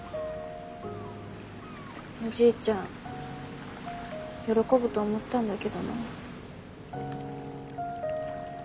おじいちゃん喜ぶと思ったんだけどな。